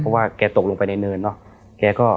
เพราะว่าแกตกลงไปในเนินเนอะ